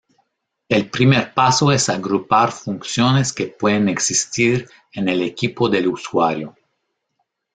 El primer paso es agrupar funciones que pueden existir en el equipo del usuario.